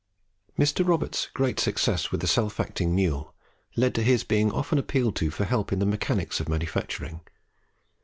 Mr. Roberts's great success with the self acting mule led to his being often appealed to for help in the mechanics of manufacturing.